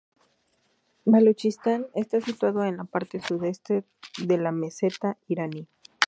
Baluchistán está situado en la parte sudeste de la meseta iraní.